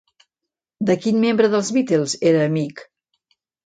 De quin membre dels Beatles era amic?